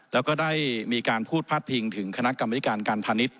แล้วก็ได้มีการพูดพัดพิงถึงคกรรมพยการการพันิด